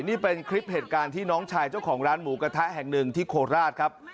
นี่เป็นคลิปเหตุการณ์ที่น้องชายเจ้าของร้านหมูกระทะแห่งหนึ่งที่โคราชครับ